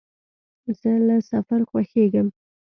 زه له سفر خوښېږم.